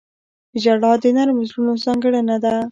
• ژړا د نرمو زړونو ځانګړنه ده.